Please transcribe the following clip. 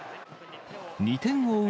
２点を追う